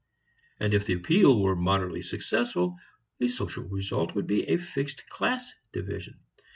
And if the appeal were moderately successful the social result would be a fixed class division.